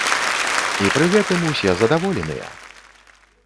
І пры гэтым усе задаволеныя!